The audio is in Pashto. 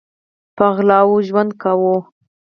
په غلا ژوند کوو